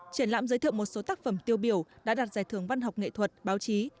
triển lãm giới thiệu một số tác phẩm tiêu biểu đã đạt giải thưởng văn học nghệ thuật báo chí